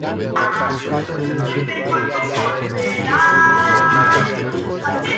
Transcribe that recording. Las tres caídas fueron de una calidad insuperable.